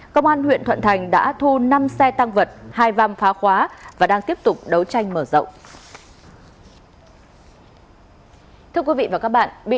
công an huyện thuận thành đã thu năm xe tăng vật hai vam phá khóa và đang tiếp tục đấu tranh mở rộng